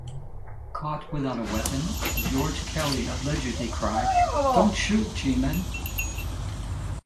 Caught without a weapon, George Kelly allegedly cried, Don't shoot, G-Men!